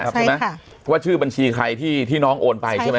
ใช่ค่ะเพราะว่าชื่อบัญชีใครที่ที่น้องโอนไปใช่ไหมฮะ